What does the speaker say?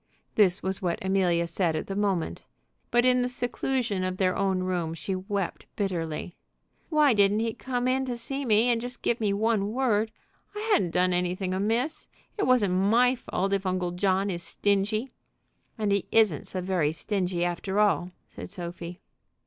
This was what Amelia said at the moment; but in the seclusion of their own room she wept bitterly. "Why didn't he come in to see me and just give me one word? I hadn't done anything amiss. It wasn't my fault if Uncle John is stingy." "And he isn't so very stingy, after all," said Sophie.